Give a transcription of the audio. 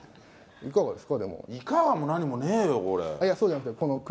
いかがですか？